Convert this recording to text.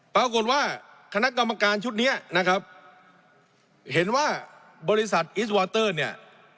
ปรากฏว่าคณะกรรมการชุดนี้นะครับเห็นว่าบริษัทอิสวอเตอร์เนี่ย